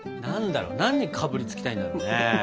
何だろ何にかぶりつきたいんだろうね。